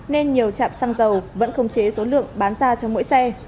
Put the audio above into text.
nên nhiều trạm xăng dầu vẫn không chế số lượng bán ra cho mỗi xe